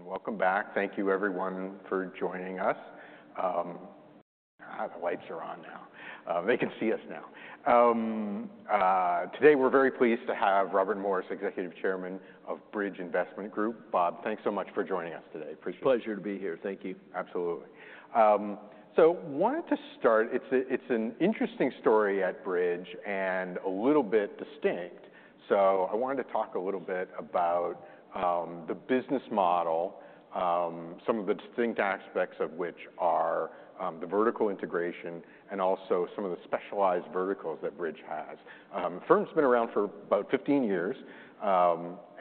Welcome back. Thank you, everyone, for joining us. The lights are on now. They can see us now. Today we're very pleased to have Robert Morse, Executive Chairman of Bridge Investment Group. Bob, thanks so much for joining us today. Appreciate it. Pleasure to be here. Thank you. Absolutely. So wanted to start. It's a. It's an interesting story at Bridge and a little bit distinct. So I wanted to talk a little bit about the business model, some of the distinct aspects of which are the vertical integration and also some of the specialized verticals that Bridge has. The firm's been around for about 15 years,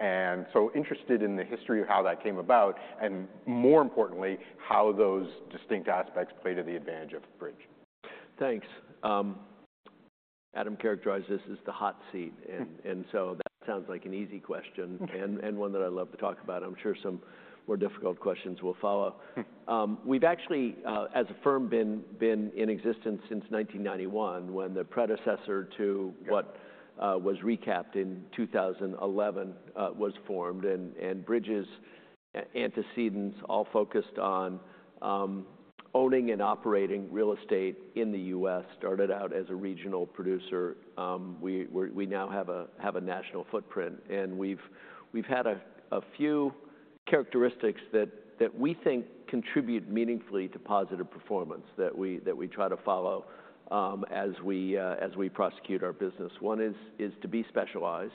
and so interested in the history of how that came about and, more importantly, how those distinct aspects played to the advantage of Bridge. Thanks. Adam characterized this as the hot seat, and so that sounds like an easy question. Mm-hmm. And one that I love to talk about. I'm sure some more difficult questions will follow. Mm-hmm. We've actually, as a firm, been in existence since 1991, when the predecessor to what was recapped in 2011 was formed. And Bridge's antecedents all focused on owning and operating real estate in the U.S., started out as a regional producer. We now have a national footprint. And we've had a few characteristics that we think contribute meaningfully to positive performance that we try to follow as we prosecute our business. One is to be specialized,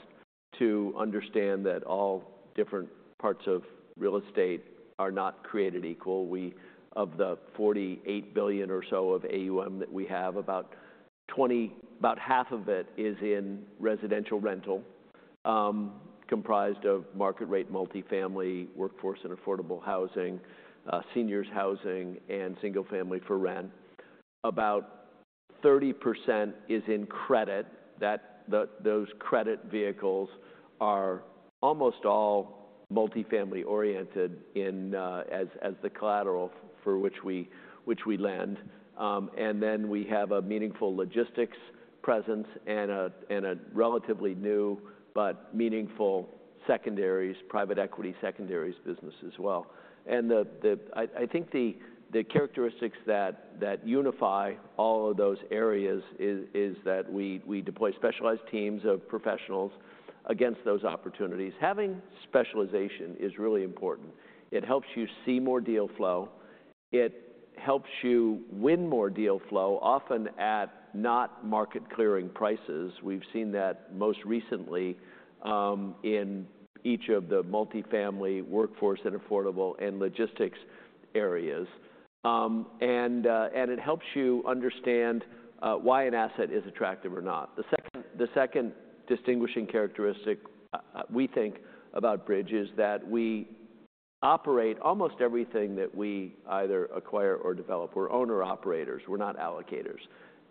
to understand that all different parts of real estate are not created equal. We have $48 billion or so of AUM that we have; about $20 billion, about half of it is in residential rental, comprised of market-rate multifamily workforce and affordable housing, seniors' housing, and single-family for rent. About 30% is in credit. That those credit vehicles are almost all multifamily-oriented in, as the collateral for which we lend. And then we have a meaningful logistics presence and a relatively new but meaningful secondaries, private equity secondaries business as well. I think the characteristics that unify all of those areas is that we deploy specialized teams of professionals against those opportunities. Having specialization is really important. It helps you see more deal flow. It helps you win more deal flow, often at not market-clearing prices. We've seen that most recently, in each of the multifamily workforce and affordable and logistics areas. And it helps you understand why an asset is attractive or not. The second distinguishing characteristic we think about Bridge is that we operate almost everything that we either acquire or develop. We're owner-operators. We're not allocators.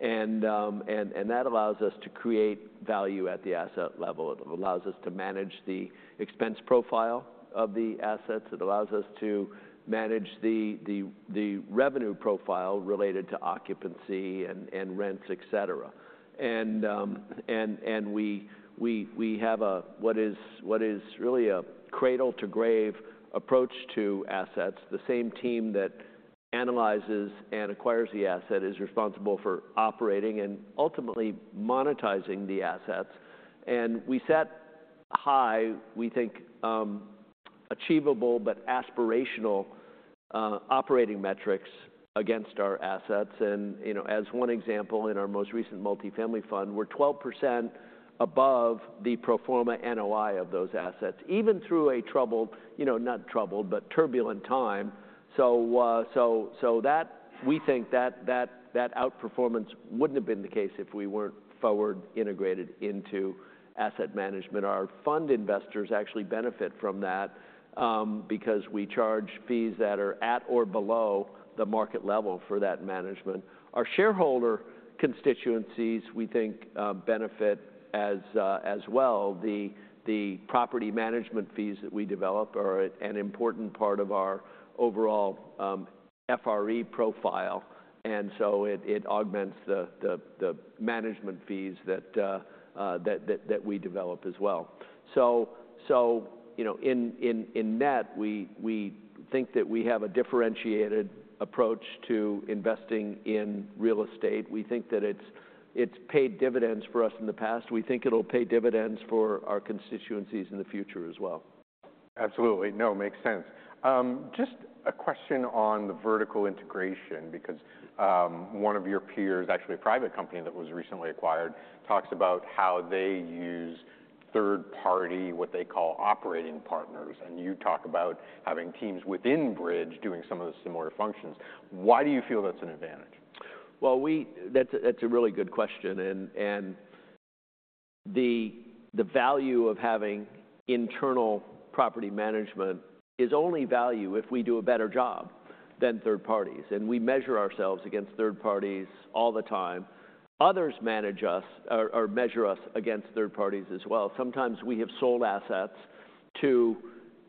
And that allows us to create value at the asset level. It allows us to manage the expense profile of the assets. It allows us to manage the revenue profile related to occupancy and rents, etc. And we have what is really a cradle-to-grave approach to assets. The same team that analyzes and acquires the asset is responsible for operating and, ultimately, monetizing the assets. And we set high, we think, achievable but aspirational, operating metrics against our assets. And, you know, as one example, in our most recent multifamily fund, we're 12% above the pro forma NOI of those assets, even through a troubled, you know, not troubled, but turbulent time. So that we think that outperformance wouldn't have been the case if we weren't forward integrated into asset management. Our fund investors actually benefit from that, because we charge fees that are at or below the market level for that management. Our shareholder constituencies, we think, benefit as well. The property management fees that we develop are an important part of our overall FRE profile. And so it augments the management fees that we develop as well. So, you know, in net, we think that we have a differentiated approach to investing in real estate. We think that it's paid dividends for us in the past. We think it'll pay dividends for our constituencies in the future as well. Absolutely. No, makes sense. Just a question on the vertical integration because, one of your peers, actually a private company that was recently acquired, talks about how they use third-party, what they call, operating partners. You talk about having teams within Bridge doing some of the similar functions. Why do you feel that's an advantage? Well, that's a really good question. And the value of having internal property management is only value if we do a better job than third parties. And we measure ourselves against third parties all the time. Others manage us or measure us against third parties as well. Sometimes we have sold assets to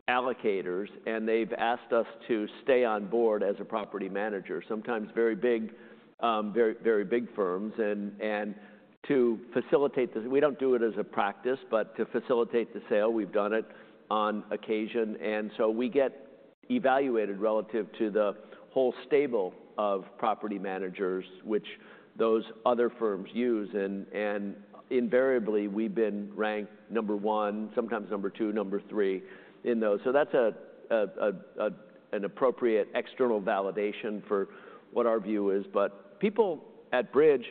allocators, and they've asked us to stay on board as a property manager, sometimes very big, very big firms. And to facilitate the sale, we don't do it as a practice, but to facilitate the sale, we've done it on occasion. And so we get evaluated relative to the whole stable of property managers, which those other firms use. And invariably, we've been ranked number 1, sometimes number 2, number 3 in those. So that's an appropriate external validation for what our view is. People at Bridge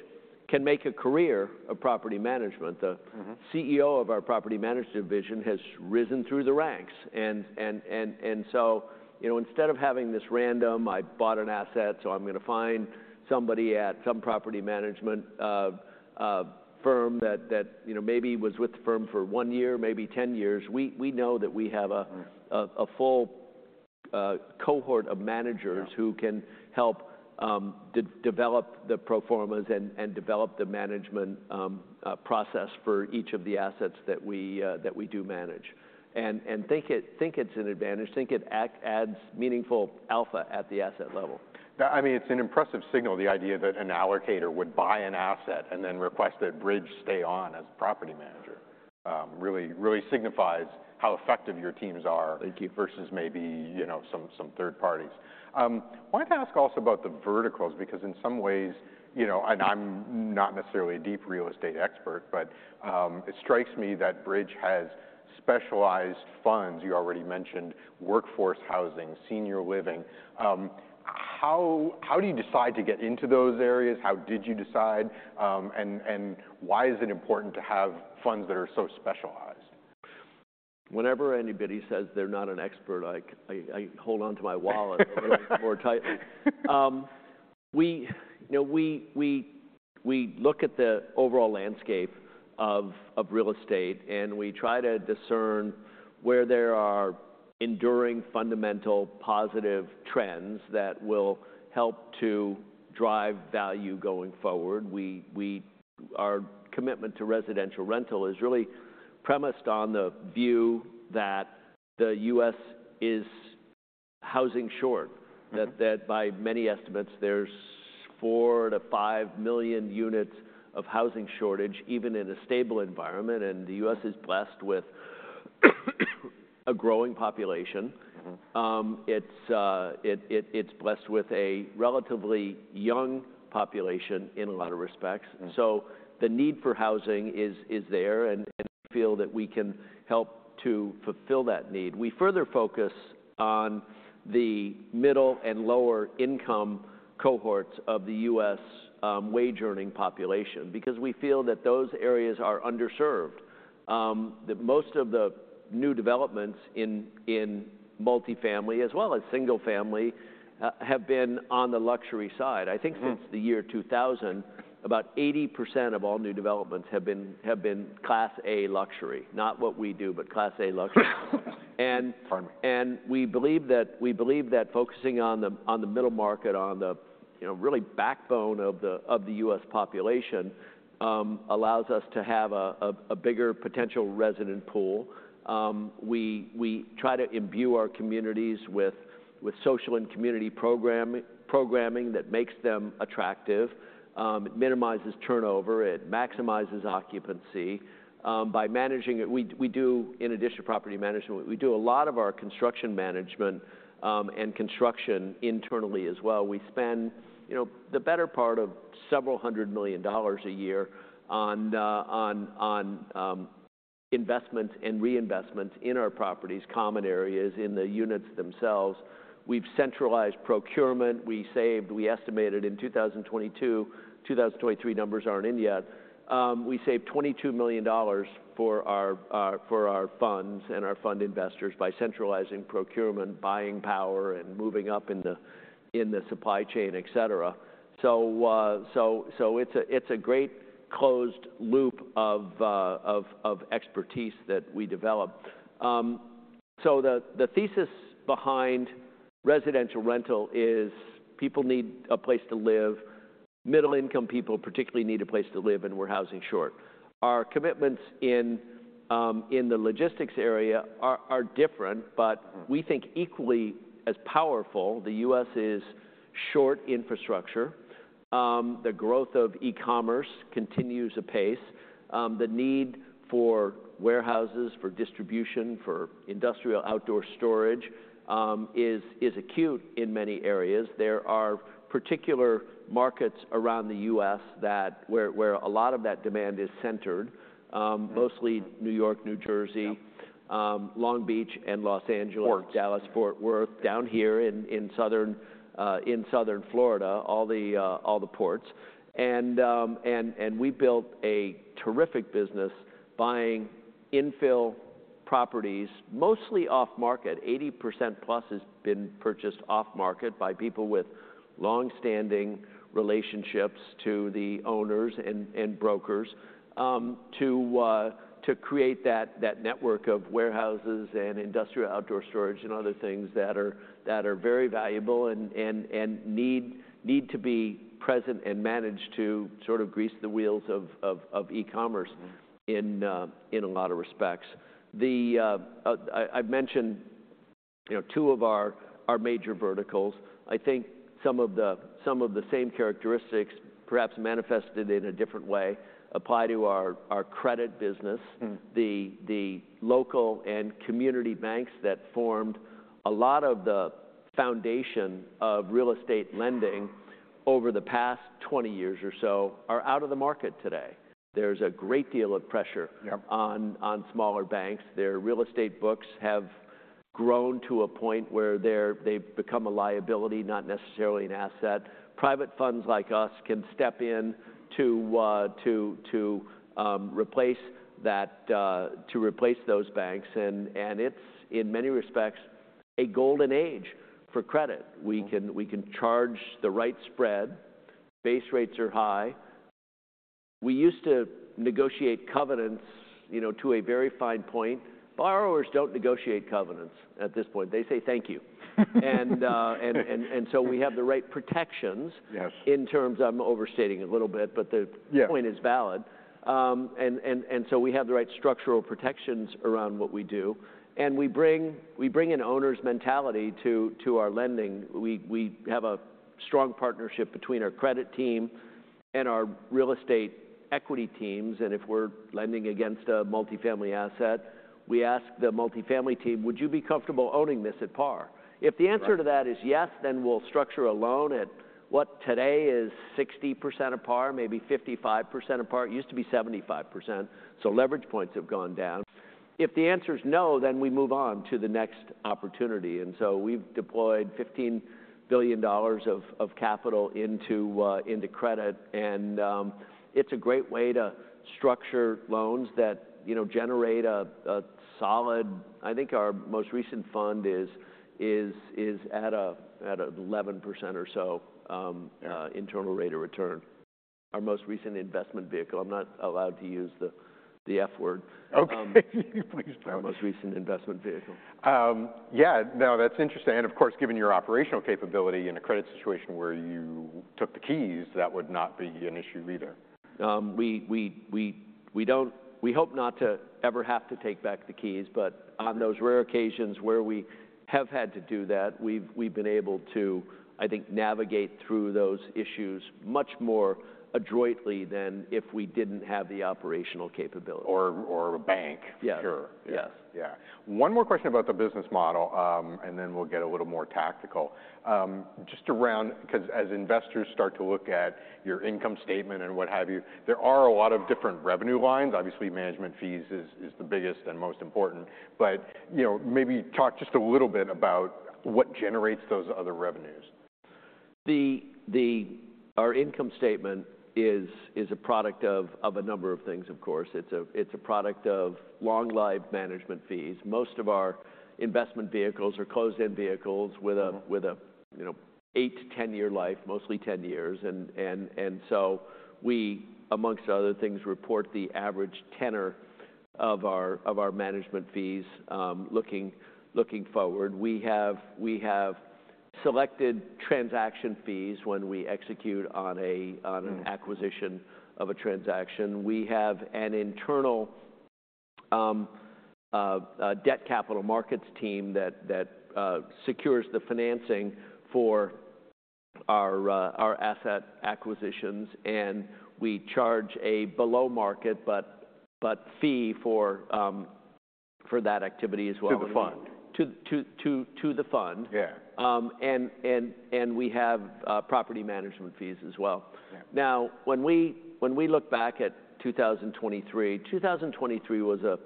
can make a career of property management. Mm-hmm. CEO of our property management division has risen through the ranks. So, you know, instead of having this random, "I bought an asset, so I'm gonna find somebody at some property management firm that, you know, maybe was with the firm for one year, maybe 10 years," we know that we have a. Mm-hmm. A full cohort of managers who can help develop the pro formas and develop the management process for each of the assets that we do manage. And think it's an advantage. Think it actually adds meaningful alpha at the asset level. That I mean, it's an impressive signal, the idea that an allocator would buy an asset and then request that Bridge stay on as a property manager. Really, really signifies how effective your teams are. Thank you. Versus maybe, you know, some third parties. Wanted to ask also about the verticals because in some ways, you know, and I'm not necessarily a deep real estate expert, but it strikes me that Bridge has specialized funds. You already mentioned workforce housing, senior living. How do you decide to get into those areas? How did you decide? And why is it important to have funds that are so specialized? Whenever anybody says they're not an expert, I hold onto my wallet a little bit more tightly. We, you know, we look at the overall landscape of real estate, and we try to discern where there are enduring fundamental positive trends that will help to drive value going forward. We our commitment to residential rental is really premised on the view that the US is housing short. Mm-hmm. That by many estimates, there's 4-5 million units of housing shortage, even in a stable environment. The U.S. is blessed with a growing population. Mm-hmm. It's blessed with a relatively young population in a lot of respects. Mm-hmm. So the need for housing is there. And we feel that we can help to fulfill that need. We further focus on the middle and lower-income cohorts of the U.S. wage-earning population because we feel that those areas are underserved. The most of the new developments in multifamily as well as single-family have been on the luxury side. I think since. Mm-hmm. The year 2000, about 80% of all new developments have been Class A luxury, not what we do, but Class A luxury. And. Farming. We believe that focusing on the middle market, on the, you know, really backbone of the U.S. population, allows us to have a bigger potential resident pool. We try to imbue our communities with social and community programming that makes them attractive. It minimizes turnover. It maximizes occupancy. By managing it, we do, in addition to property management, a lot of our construction management and construction internally as well. We spend, you know, the better part of several hundred million dollars a year on investment and reinvestment in our properties, common areas, in the units themselves. We've centralized procurement. We saved, we estimated in 2022. 2023 numbers aren't in yet. We saved $22 million for our funds and our fund investors by centralizing procurement, buying power, and moving up in the supply chain, etc. So, it's a great closed loop of expertise that we develop. So the thesis behind residential rental is people need a place to live. Middle-income people particularly need a place to live, and we're housing short. Our commitments in the logistics area are different, but. Mm-hmm. We think equally as powerful. The U.S. is short infrastructure. The growth of e-commerce continues apace. The need for warehouses, for distribution, for industrial outdoor storage, is acute in many areas. There are particular markets around the U.S. that where a lot of that demand is centered. Mm-hmm. Mostly New York, New Jersey. Ports. Long Beach and Los Angeles. Ports. Dallas-Fort Worth. Down here in southern Florida, all the ports. And we built a terrific business buying infill properties, mostly off-market. 80%+ has been purchased off-market by people with longstanding relationships to the owners and brokers, to create that network of warehouses and industrial outdoor storage and other things that are very valuable and need to be present and managed to sort of grease the wheels of e-commerce. Mm-hmm. In a lot of respects. I've mentioned, you know, two of our major verticals. I think some of the same characteristics, perhaps manifested in a different way, apply to our credit business. Mm-hmm. The local and community banks that formed a lot of the foundation of real estate lending over the past 20 years or so are out of the market today. There's a great deal of pressure. Yep. On smaller banks. Their real estate books have grown to a point where they've become a liability, not necessarily an asset. Private funds like us can step in to replace that, to replace those banks. And it's, in many respects, a golden age for credit. We can charge the right spread. Base rates are high. We used to negotiate covenants, you know, to a very fine point. Borrowers don't negotiate covenants at this point. They say, "Thank you." And so we have the right protections. Yes. In terms I'm overstating a little bit, but the. Yeah. Point is valid. So we have the right structural protections around what we do. We bring an owner's mentality to our lending. We have a strong partnership between our credit team and our real estate equity teams. If we're lending against a multifamily asset, we ask the multifamily team, "Would you be comfortable owning this at par?" If the answer to that is yes, then we'll structure a loan at what today is 60% at par, maybe 55% at par. It used to be 75%. So leverage points have gone down. If the answer's no, then we move on to the next opportunity. So we've deployed $15 billion of capital into credit. It's a great way to structure loans that, you know, generate a solid. I think our most recent fund is at 11% or so internal rate of return. Our most recent investment vehicle I'm not allowed to use the F word. Okay. Can you please spell it? Our most recent investment vehicle. Yeah. No, that's interesting. Of course, given your operational capability in a credit situation where you took the keys, that would not be an issue either. We don't hope not to ever have to take back the keys. But on those rare occasions where we have had to do that, we've been able to, I think, navigate through those issues much more adroitly than if we didn't have the operational capability. Or a bank. Yes. For sure. Yes. Yeah. One more question about the business model, and then we'll get a little more tactical, just around 'cause as investors start to look at your income statement and what have you, there are a lot of different revenue lines. Obviously, management fees is the biggest and most important. But, you know, maybe talk just a little bit about what generates those other revenues. Our income statement is a product of a number of things, of course. It's a product of long-lived management fees. Most of our investment vehicles are closed-end vehicles with a. Mm-hmm. With a, you know, 8-10-year life, mostly 10 years. So we, among other things, report the average tenor of our management fees, looking forward. We have selected transaction fees when we execute on an acquisition. Mm-hmm. Of a transaction. We have an internal debt capital markets team that secures the financing for our asset acquisitions. We charge a below-market but fee for that activity as well. To the fund. To the fund. Yeah. We have property management fees as well. Yeah. Now, when we look back at 2023, 2023 was a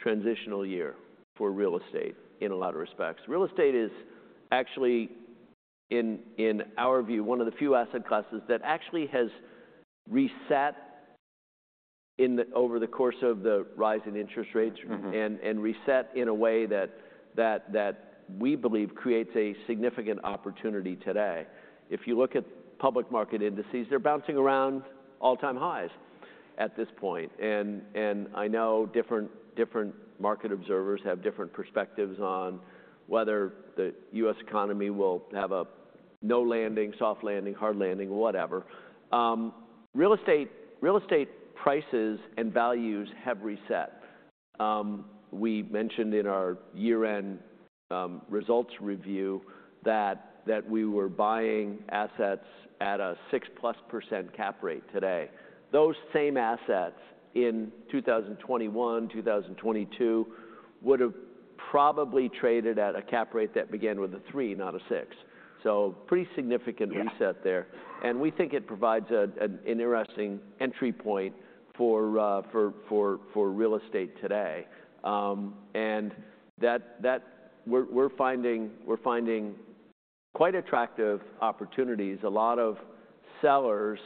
transitional year for real estate in a lot of respects. Real estate is actually, in our view, one of the few asset classes that actually has reset over the course of the rise in interest rates. Mm-hmm. And reset in a way that we believe creates a significant opportunity today. If you look at public market indices, they're bouncing around all-time highs at this point. And I know different market observers have different perspectives on whether the U.S. economy will have a no-landing, soft-landing, hard-landing, whatever. Real estate prices and values have reset. We mentioned in our year-end results review that we were buying assets at a 6%+ cap rate today. Those same assets in 2021, 2022 would have probably traded at a cap rate that began with a 3, not a 6. So pretty significant. Yeah. Reset there. We think it provides an interesting entry point for real estate today, and that we're finding quite attractive opportunities. A lot of sellers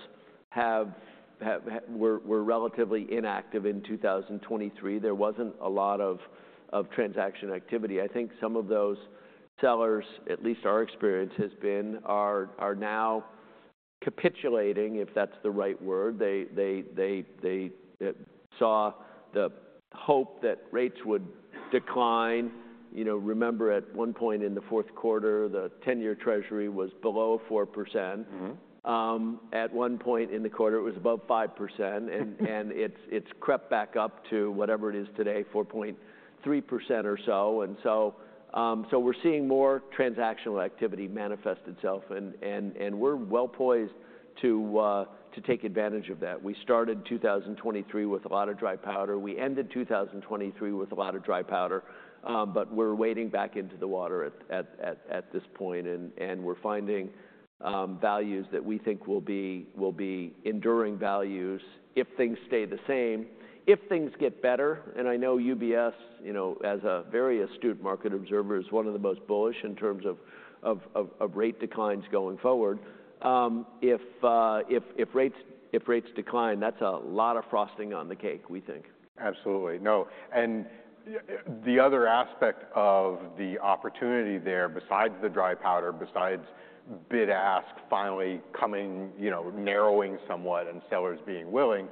have been relatively inactive in 2023. There wasn't a lot of transaction activity. I think some of those sellers, at least our experience has been, are now capitulating, if that's the right word. They saw the hope that rates would decline. You know, remember at one point in the fourth quarter, the 10-Year Treasury was below 4%. Mm-hmm. At one point in the quarter, it was above 5%. And it's crept back up to whatever it is today, 4.3% or so. And so we're seeing more transactional activity manifest itself. And we're well-poised to take advantage of that. We started 2023 with a lot of dry powder. We ended 2023 with a lot of dry powder. But we're wading back into the water at this point. And we're finding values that we think will be enduring values if things stay the same. If things get better and I know UBS, you know, as a very astute market observer, is one of the most bullish in terms of rate declines going forward. If rates decline, that's a lot of frosting on the cake, we think. Absolutely. No. And the other aspect of the opportunity there, besides the dry powder, besides bid-ask finally coming, you know, narrowing somewhat and sellers being willing,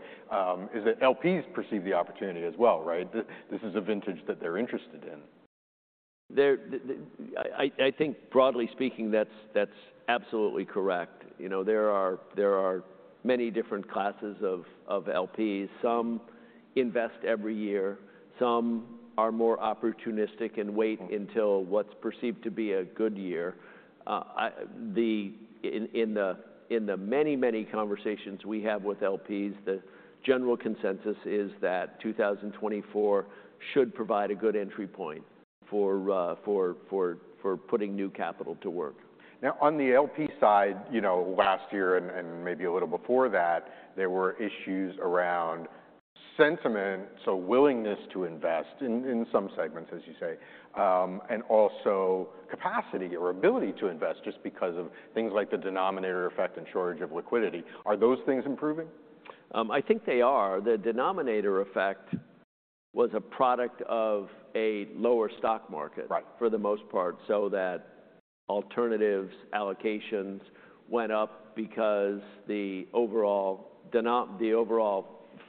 is that LPs perceive the opportunity as well, right? This is a vintage that they're interested in. They're the, I think, broadly speaking, that's absolutely correct. You know, there are many different classes of LPs. Some invest every year. Some are more opportunistic and wait until. Mm-hmm. What's perceived to be a good year. In the many, many conversations we have with LPs, the general consensus is that 2024 should provide a good entry point for putting new capital to work. Now, on the LP side, you know, last year and maybe a little before that, there were issues around sentiment, so willingness to invest in some segments, as you say, and also capacity or ability to invest just because of things like the Denominator Effect and shortage of liquidity. Are those things improving? I think they are. The Denominator Effect was a product of a lower stock market. Right. For the most part, alternatives allocations went up because the overall denominator, the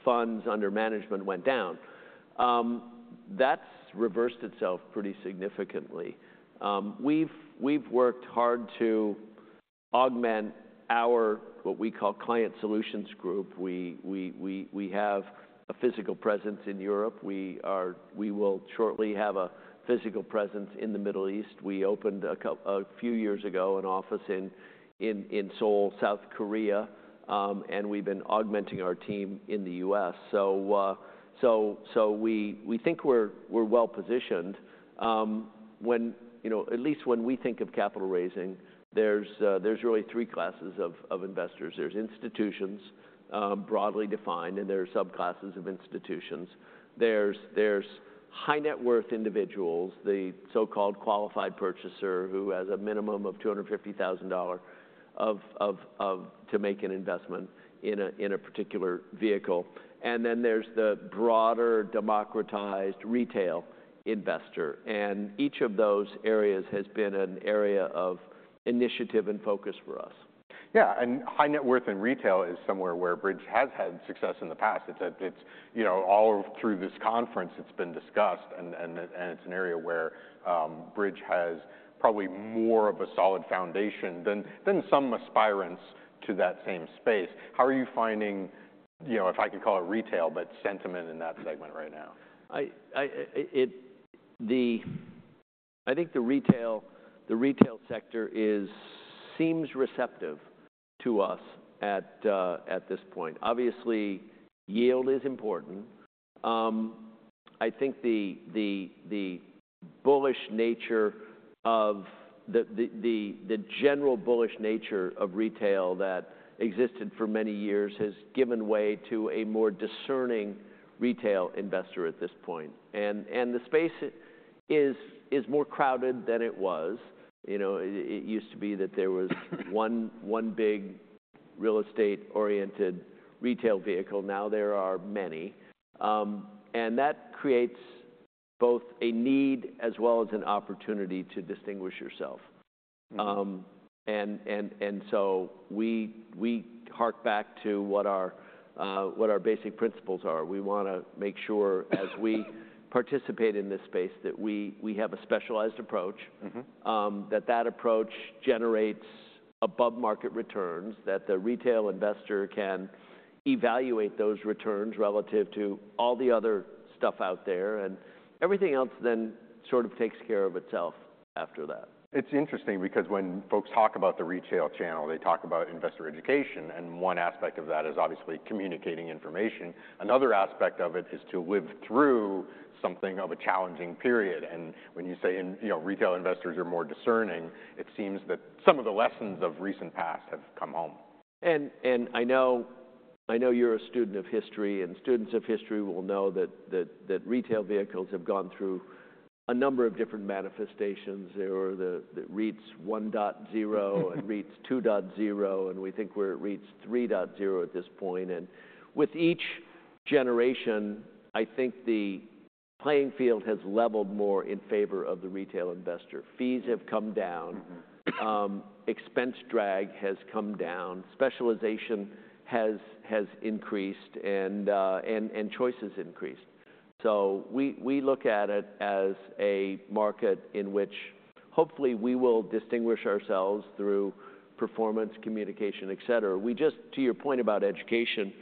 overall funds under management went down. That's reversed itself pretty significantly. We've worked hard to augment our what we call Client Solutions Group. We have a physical presence in Europe. We will shortly have a physical presence in the Middle East. We opened a couple of years ago an office in Seoul, South Korea. And we've been augmenting our team in the U.S. So we think we're well-positioned. You know, at least when we think of capital raising, there's really three classes of investors. There's institutions, broadly defined. And there are subclasses of institutions. There's high-net-worth individuals, the so-called Qualified Purchaser, who has a minimum of $250,000 of to make an investment in a particular vehicle. And then there's the broader democratized retail investor. And each of those areas has been an area of initiative and focus for us. Yeah. And high-net-worth and retail is somewhere where Bridge has had success in the past. It's a, you know, all through this conference, it's been discussed. And it's an area where Bridge has probably more of a solid foundation than some aspirants to that same space. How are you finding, you know, if I could call it retail, but sentiment in that segment right now? I think the retail sector seems receptive to us at this point. Obviously, yield is important. I think the general bullish nature of retail that existed for many years has given way to a more discerning retail investor at this point. And the space is more crowded than it was. You know, it used to be that there was one big real estate-oriented retail vehicle. Now there are many. And that creates both a need as well as an opportunity to distinguish yourself. Mm-hmm. So we hark back to what our basic principles are. We wanna make sure, as we participate in this space, that we have a specialized approach. Mm-hmm. that approach generates above-market returns, that the retail investor can evaluate those returns relative to all the other stuff out there. Everything else then sort of takes care of itself after that. It's interesting because when folks talk about the retail channel, they talk about investor education. And one aspect of that is obviously communicating information. Another aspect of it is to live through something of a challenging period. And when you say in you know, retail investors are more discerning, it seems that some of the lessons of recent past have come home. I know you're a student of history. Students of history will know that retail vehicles have gone through a number of different manifestations. There were the REITs 1.0 and REITs 2.0. We think we're at REITs 3.0 at this point. With each generation, I think the playing field has leveled more in favor of the retail investor. Fees have come down. Mm-hmm. Expense drag has come down. Specialization has increased. Choices increased. So we look at it as a market in which, hopefully, we will distinguish ourselves through performance, communication, etc. We just, to your point about education,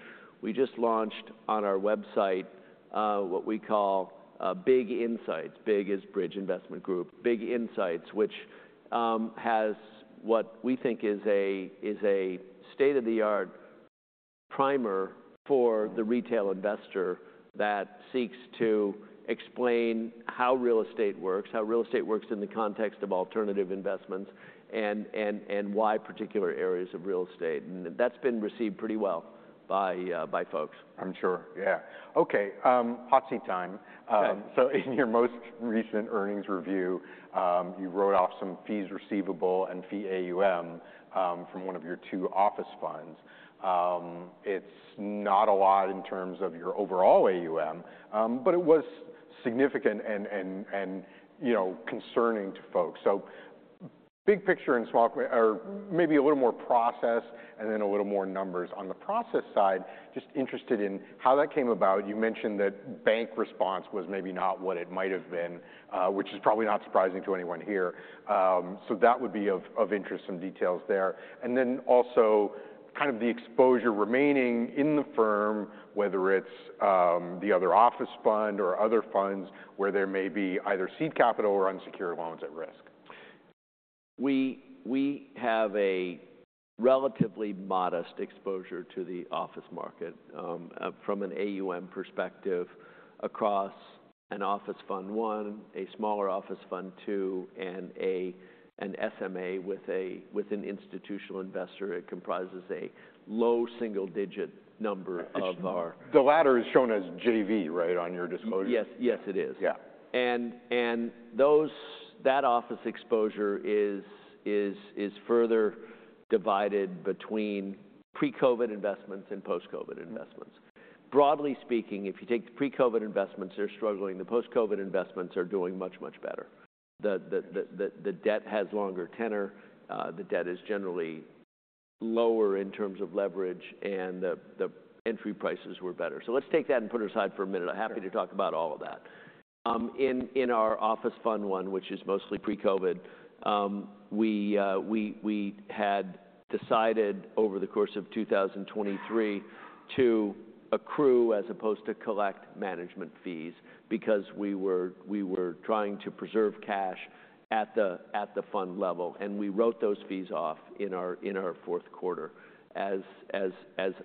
we just launched on our website what we call BIG Insights. BIG is Bridge Investment Group. BIG Insights, which has what we think is a state-of-the-art primer for the retail investor that seeks to explain how real estate works, how real estate works in the context of alternative investments, and why particular areas of real estate. And that's been received pretty well by folks. I'm sure. Yeah. Okay. Hot seat time. Okay. So in your most recent earnings review, you wrote off some fees receivable and fee AUM from one of your two office funds. It's not a lot in terms of your overall AUM, but it was significant and, you know, concerning to folks. So big picture and small or maybe a little more process and then a little more numbers. On the process side, just interested in how that came about. You mentioned that bank response was maybe not what it might have been, which is probably not surprising to anyone here. So that would be of interest, some details there. And then also kind of the exposure remaining in the firm, whether it's the other office fund or other funds where there may be either seed capital or unsecured loans at risk. We have a relatively modest exposure to the office market, from an AUM perspective across an Office Fund 1, a smaller Office Fund 2, and an SMA with an institutional investor. It comprises a low single-digit number of our. The latter is shown as JV, right, on your disclosure? Yes. Yes, it is. Yeah. Our office exposure is further divided between pre-COVID investments and post-COVID investments. Broadly speaking, if you take the pre-COVID investments, they're struggling. The post-COVID investments are doing much, much better. The debt has longer tenor. The debt is generally lower in terms of leverage. The entry prices were better. So let's take that and put it aside for a minute. I'm happy to talk about all of that. In our Office Fund 1, which is mostly pre-COVID, we had decided over the course of 2023 to accrue as opposed to collect management fees because we were trying to preserve cash at the fund level. And we wrote those fees off in our fourth quarter as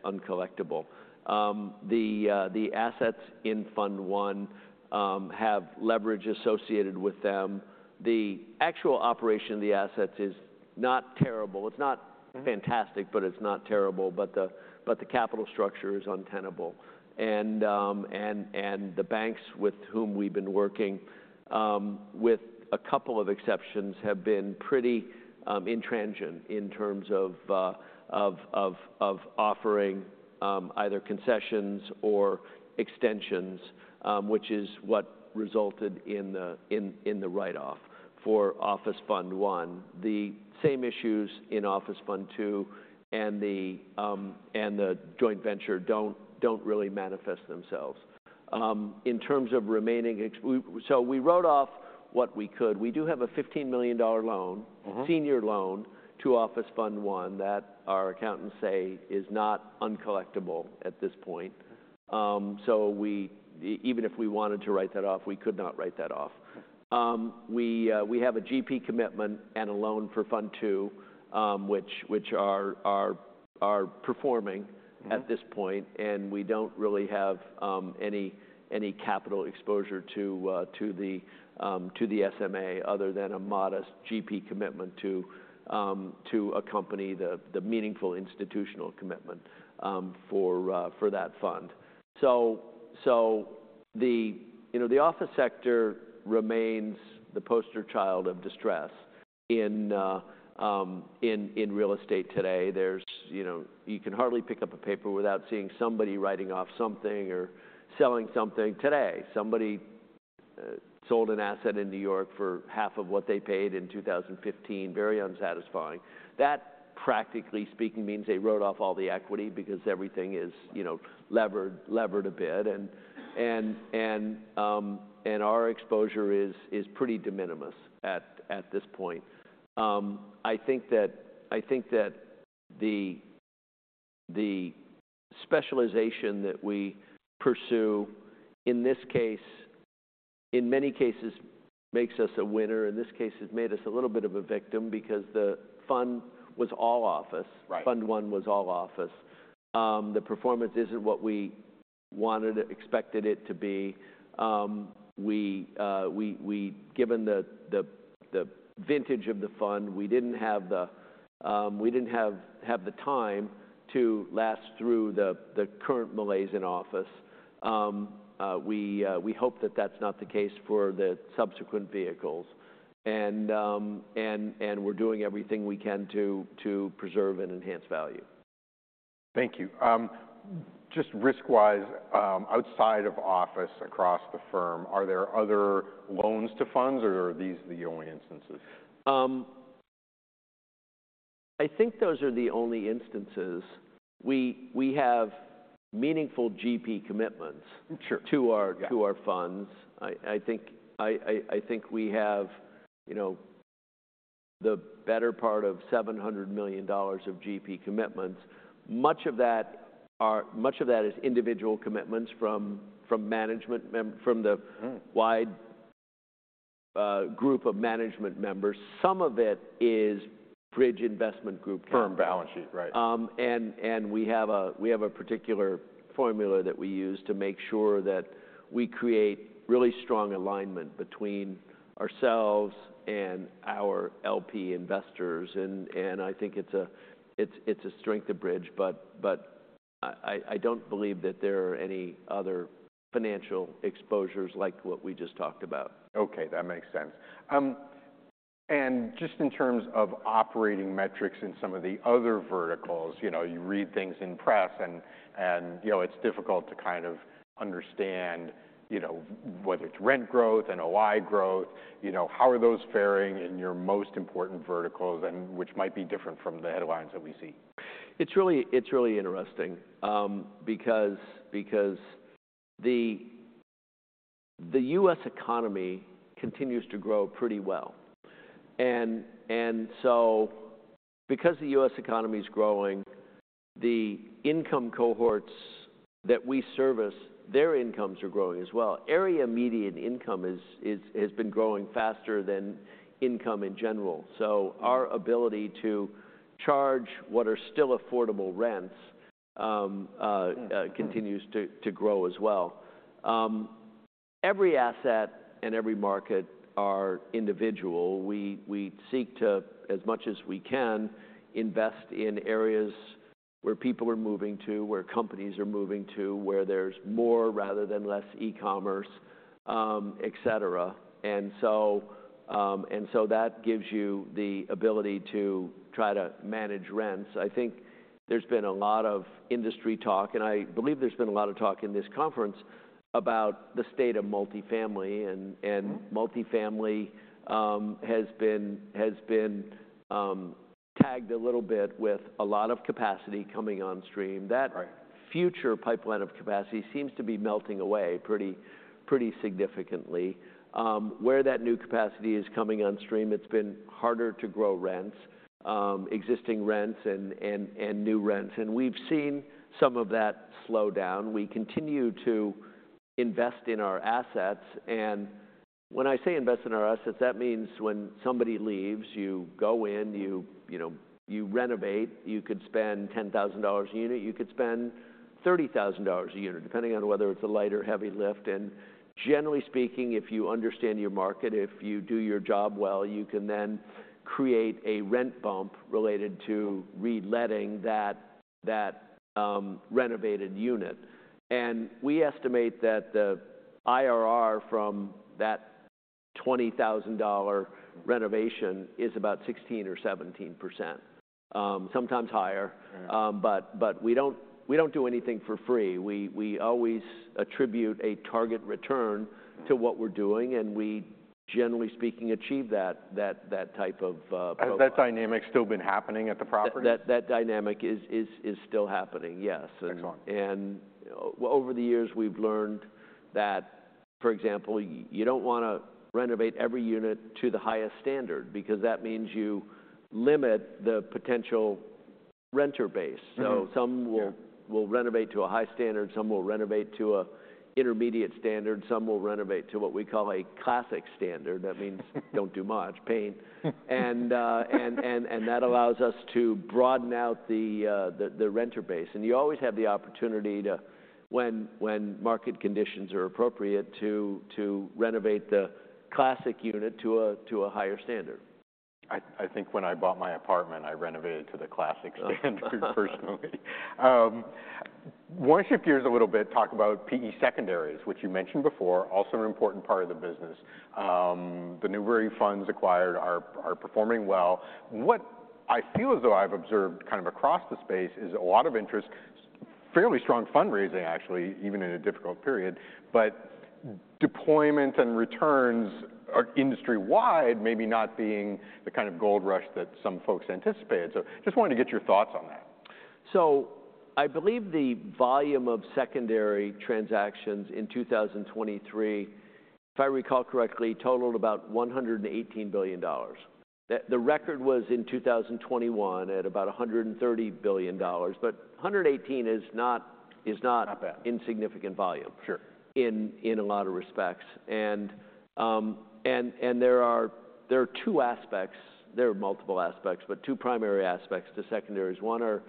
uncollectible. The assets in Fund 1 have leverage associated with them. The actual operation of the assets is not terrible. It's not fantastic, but it's not terrible. But the capital structure is untenable. And the banks with whom we've been working, with a couple of exceptions, have been pretty intransigent in terms of offering either concessions or extensions, which is what resulted in the write-off for Office Fund 1. The same issues in Office Fund 2 and the joint venture don't really manifest themselves. In terms of remaining, we wrote off what we could. We do have a $15 million loan. Mm-hmm. Senior loan to Office Fund 1 that our accountants say is not uncollectible at this point. So even if we wanted to write that off, we could not write that off. We have a GP commitment and a loan for Fund 2, which are performing. Mm-hmm. At this point. And we don't really have any capital exposure to the SMA other than a modest GP commitment to accompany the meaningful institutional commitment for that fund. So the you know, the office sector remains the poster child of distress in real estate today. There's you know, you can hardly pick up a paper without seeing somebody writing off something or selling something today. Somebody sold an asset in New York for half of what they paid in 2015. Very unsatisfying. That, practically speaking, means they wrote off all the equity because everything is, you know, levered a bit. And our exposure is pretty de minimis at this point. I think that the specialization that we pursue, in this case, in many cases, makes us a winner. In this case, it's made us a little bit of a victim because the fund was all office. Right. Fund 1 was all office. The performance isn't what we wanted expected it to be. We, given the vintage of the fund, we didn't have the time to last through the current malaise in office. We hope that that's not the case for the subsequent vehicles. And we're doing everything we can to preserve and enhance value. Thank you. Just risk-wise, outside of office across the firm, are there other loans to funds? Or are these the only instances? I think those are the only instances. We have meaningful GP commitments. Sure. To our funds. I think we have, you know, the better part of $700 million of GP commitments. Much of that is individual commitments from management from the wide group of management members. Some of it is Bridge Investment Group. Firm balance sheet. Right. And we have a particular formula that we use to make sure that we create really strong alignment between ourselves and our LP investors. And I think it's a strength of Bridge. But I don't believe that there are any other financial exposures like what we just talked about. Okay. That makes sense. And just in terms of operating metrics in some of the other verticals, you know, you read things in the press. And you know, it's difficult to kind of understand, you know, whether it's rent growth and OI growth, you know, how are those faring in your most important verticals and which might be different from the headlines that we see? It's really interesting, because the US economy continues to grow pretty well. And so because the US economy's growing, the income cohorts that we service, their incomes are growing as well. Area Median Income has been growing faster than income in general. So our ability to charge what are still affordable rents continues to grow as well. Every asset and every market are individual. We seek to, as much as we can, invest in areas where people are moving to, where companies are moving to, where there's more rather than less e-commerce, etc. And so that gives you the ability to try to manage rents. I think there's been a lot of industry talk. And I believe there's been a lot of talk in this conference about the state of multifamily. And multifamily has been tagged a little bit with a lot of capacity coming on stream. Right. That future pipeline of capacity seems to be melting away pretty, pretty significantly. Where that new capacity is coming on stream, it's been harder to grow rents, existing rents and new rents. We've seen some of that slow down. We continue to invest in our assets. When I say invest in our assets, that means when somebody leaves, you go in, you know, you renovate. You could spend $10,000 a unit. You could spend $30,000 a unit, depending on whether it's a light or heavy lift. Generally speaking, if you understand your market, if you do your job well, you can then create a rent bump related to reletting that renovated unit. We estimate that the IRR from that $20,000 renovation is about 16% or 17%, sometimes higher. But we don't do anything for free. We always attribute a target return to what we're doing. And we generally speaking achieve that type of program. Has that dynamic still been happening at the property? That dynamic is still happening. Yes. Excellent. Over the years, we've learned that, for example, you don't want to renovate every unit to the highest standard because that means you limit the potential renter base. So some will renovate to a high standard. Some will renovate to an intermediate standard. Some will renovate to what we call a classic standard. That means don't do much. Paint. And that allows us to broaden out the renter base. And you always have the opportunity, when market conditions are appropriate, to renovate the classic unit to a higher standard. I, I think when I bought my apartment, I renovated to the classic standard personally. Want to shift gears a little bit, talk about PE secondaries, which you mentioned before, also an important part of the business. The Newbury funds acquired are, are performing well. What I feel as though I've observed kind of across the space is a lot of interest, fairly strong fundraising, actually, even in a difficult period. But deployment and returns are industry-wide maybe not being the kind of gold rush that some folks anticipated. So just wanted to get your thoughts on that. I believe the volume of secondary transactions in 2023, if I recall correctly, totaled about $118 billion. The record was in 2021 at about $130 billion. But $118 is not. Not bad. Insignificant volume. Sure. In a lot of respects. And there are two aspects. There are multiple aspects, but two primary aspects to secondaries. One are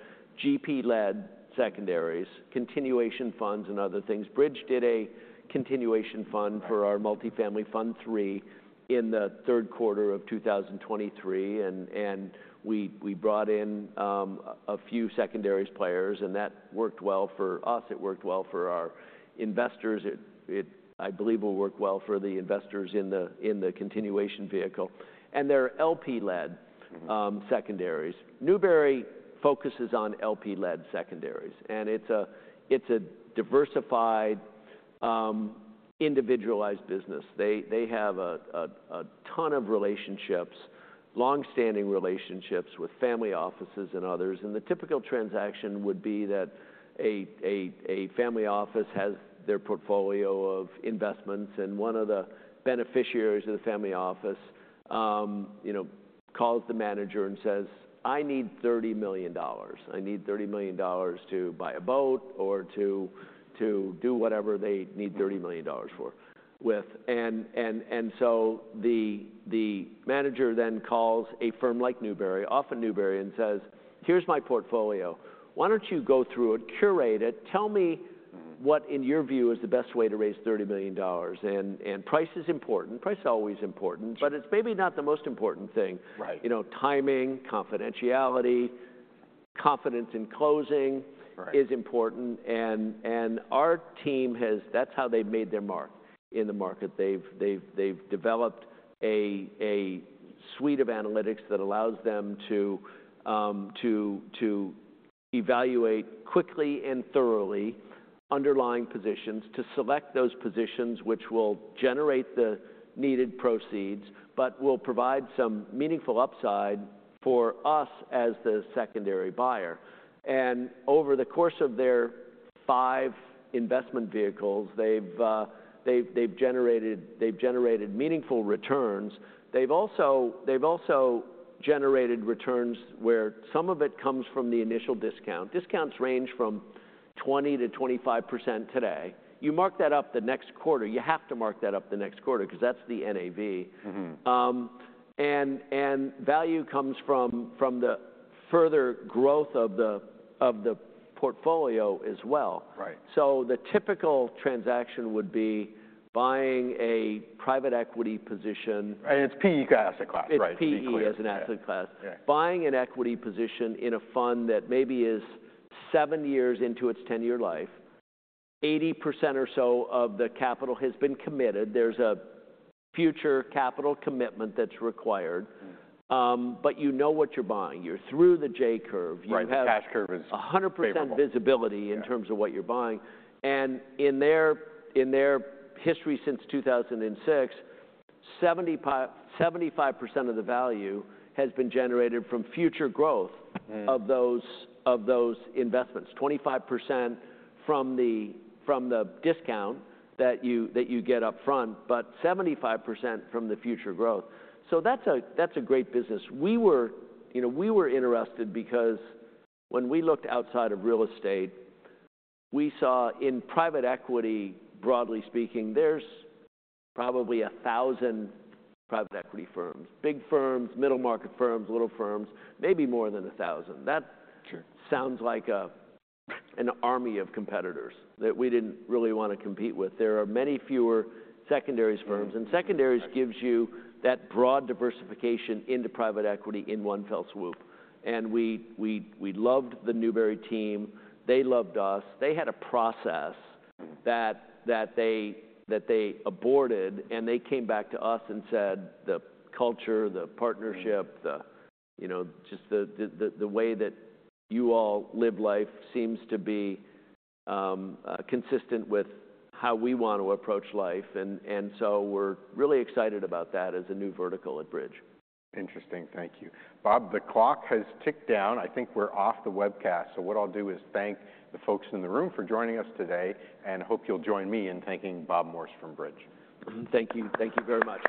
GP-led secondaries, continuation funds, and other things. Bridge did a continuation fund for our multifamily Fund 3 in the third quarter of 2023. And we brought in a few secondaries players. And that worked well for us. It worked well for our investors. It I believe will work well for the investors in the continuation vehicle. And they're LP-led secondaries. Newbury focuses on LP-led secondaries. And it's a diversified, individualized business. They have a ton of relationships, longstanding relationships with family offices and others. And the typical transaction would be that a family office has their portfolio of investments. One of the beneficiaries of the family office, you know, calls the manager and says, "I need $30 million. I need $30 million to buy a boat or to do whatever they need $30 million for." So the manager then calls a firm like Newbury, often Newbury, and says, "Here's my portfolio. Why don't you go through it, curate it, tell me what, in your view, is the best way to raise $30 million?" Price is important. Price is always important. But it's maybe not the most important thing. Right. You know, timing, confidentiality, confidence in closing is important. And our team has. That's how they've made their mark in the market. They've developed a suite of analytics that allows them to evaluate quickly and thoroughly underlying positions, to select those positions which will generate the needed proceeds but will provide some meaningful upside for us as the secondary buyer. And over the course of their five investment vehicles, they've generated meaningful returns. They've also generated returns where some of it comes from the initial discount. Discounts range from 20%-25% today. You mark that up the next quarter. You have to mark that up the next quarter because that's the NAV. Mm-hmm. Value comes from the further growth of the portfolio as well. Right. The typical transaction would be buying a private equity position. It's PE class. It's PE. Class. Right. It's PE as an asset class. Yeah. Buying an equity position in a fund that maybe is 7 years into its 10-year life. 80% or so of the capital has been committed. There's a future capital commitment that's required. But you know what you're buying. You're through the J Curve. You have. Right. Cash curve is favorable. 100% visibility in terms of what you're buying. In their history since 2006, 75% of the value has been generated from future growth of those investments, 25% from the discount that you get upfront but 75% from the future growth. So that's a great business. We were, you know, interested because when we looked outside of real estate, we saw in private equity, broadly speaking, there's probably 1,000 private equity firms, big firms, middle-market firms, little firms, maybe more than 1,000. That sounds like an army of competitors that we didn't really want to compete with. There are many fewer secondaries firms. And secondaries gives you that broad diversification into private equity in one fell swoop. And we loved the Newbury team. They loved us. They had a process that they aborted. And they came back to us and said, "The culture, the partnership, the, you know, just the way that you all live life seems to be consistent with how we want to approach life." And so we're really excited about that as a new vertical at Bridge. Interesting. Thank you. Bob, the clock has ticked down. I think we're off the webcast. What I'll do is thank the folks in the room for joining us today and hope you'll join me in thanking Bob Morse from Bridge. Thank you. Thank you very much.